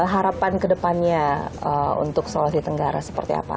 harapan kedepannya untuk sulawesi tenggara seperti apa